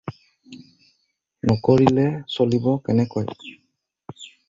নকৰিলে চলিব কেনেকৈ?